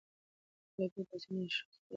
رابعې د اوسنیو ښځو په حیا نیوکه وکړه.